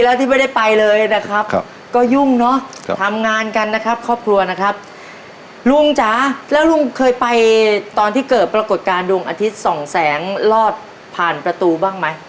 ลุงจ๋าและลุงเคยไปตอนที่เกิดปรากฎการณ์ดวงอาทิตย์ส่องแสงลอดผ่านประตูบ้างไหม